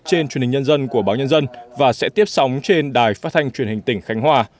trên truyền hình nhân dân của báo nhân dân và sẽ tiếp sóng trên đài phát thanh truyền hình tỉnh khánh hòa